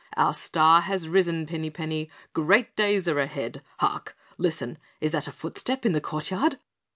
Our star has risen, Pinny Penny. Great days are ahead. Hark! Listen! Is that a footstep in the courtyard?"